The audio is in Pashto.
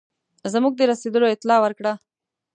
زموږ د رسېدلو اطلاع ورکړه.